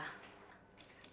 kapan dan dimana anda diperkosa